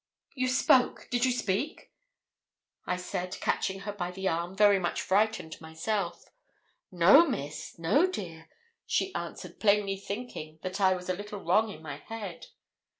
'You spoke? Did you speak?' I said, catching her by the arm, very much frightened myself. 'No, Miss; no, dear!' answered she, plainly thinking that I was a little wrong in my head.